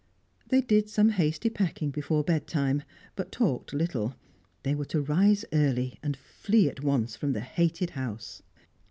They did some hasty packing before bedtime, but talked little. They were to rise early, and flee at once from the hated house.